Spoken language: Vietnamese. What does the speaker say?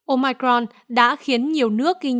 omicron đã khiến nhiều nước đều bị bệnh